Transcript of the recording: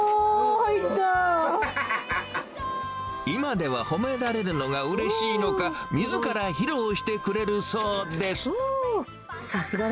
今では褒められるのがうれしいのか、みずから披露してくれるそうです。